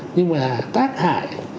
nhưng mà tác hại